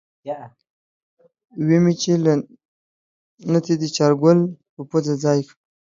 وی مې چې له نتې دې چارګل پۀ پوزه ځای که۔